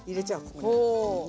ここに。ね。